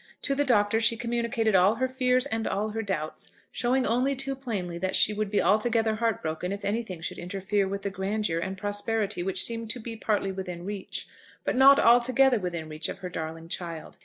To the Doctor she communicated all her fears and all her doubts, showing only too plainly that she would be altogether broken hearted if anything should interfere with the grandeur and prosperity which seemed to be partly within reach, but not altogether within reach of her darling child.